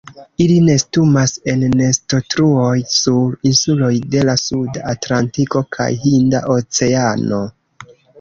Ili nestumas en nestotruoj sur insuloj de la Suda Atlantiko kaj Hinda Oceano.